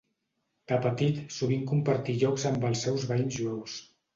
De petit sovint compartí jocs amb els seus veïns jueus.